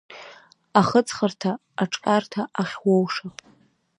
Ахьыҵхырҭа аҽҟьарҭа ахьуоуша…